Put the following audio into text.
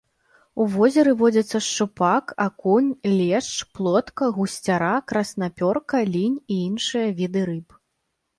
У возеры водзяцца шчупак, акунь, лешч, плотка, гусцяра, краснапёрка, лінь і іншыя віды рыб.